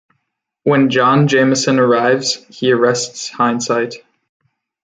When John Jameson arrives, he arrests Hindsight.